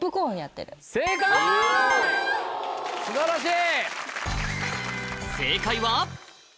素晴らしい！